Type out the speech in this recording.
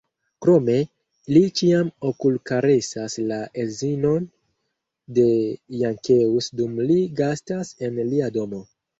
Krome, li ĉiam okulkaresas la edzinon de Jankeus dum li gastas en lia domo.